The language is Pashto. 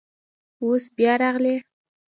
اوس بیا راغلی.